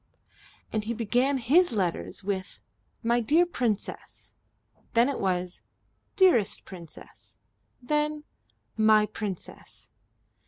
And he began his letters with "My dear Princess;" then it was "Dearest Princess;" then "My Princess."